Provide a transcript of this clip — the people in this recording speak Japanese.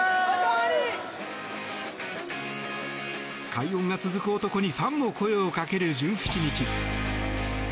快音が続く男にファンも声をかける１７日。